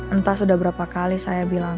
entah sudah berapa kali saya bilang